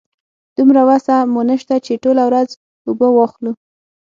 دومره وسه مو نشته چې ټوله ورځ اوبه واخلو.